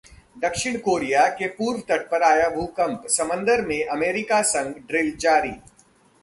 दक्षिण कोरिया के पूर्वी तट पर आया भूकंप, समंदर में अमेरिका संग ड्रिल जारी